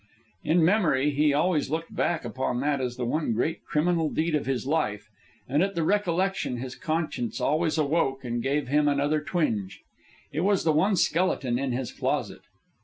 In memory he always looked back upon that as the one great criminal deed of his life, and at the recollection his conscience always awoke and gave him another twinge. It was the one skeleton in his closet.